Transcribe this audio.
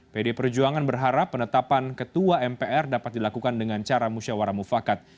pd perjuangan berharap penetapan ketua mpr dapat dilakukan dengan cara musyawarah mufakat